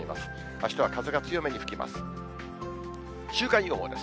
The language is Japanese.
あしたは風が強めに吹きます。